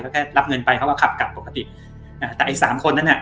ก็แค่รับเงินไปเขาก็ขับกลับปกติอ่าแต่ไอ้สามคนนั้นอ่ะ